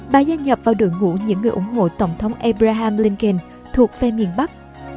bà gia nhập vào đội ngũ những người ủng hộ tổng thống abraham lincoln thuộc phe miền bắc